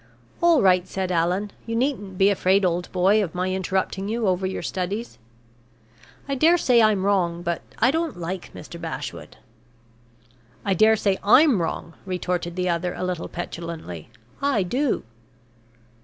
"All right," said Allan. "You needn't be afraid, old boy, of my interrupting you over your studies. I dare say I'm wrong but I don't like Mr. Bashwood." "I dare say I'm wrong," retorted the other, a little petulantly. "I do."